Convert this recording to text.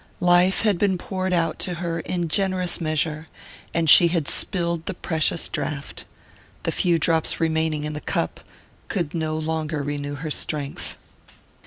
Life had been poured out to her in generous measure, and she had spilled the precious draught the few drops remaining in the cup could no longer renew her strength.